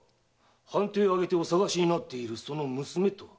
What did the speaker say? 藩邸をあげてお探しになるその娘とは？